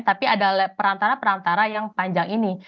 tapi ada perantara perantara yang panjang ini